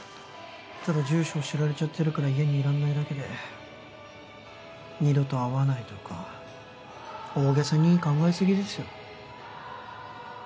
ただ住所を知られちゃってるから家にいらんないだけで二度と会わないとか大げさに考えすぎですよ